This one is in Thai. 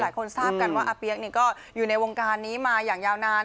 ทราบกันว่าอาเปี๊ยกก็อยู่ในวงการนี้มาอย่างยาวนาน